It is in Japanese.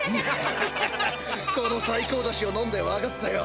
このさいこうだしを飲んで分かったよ。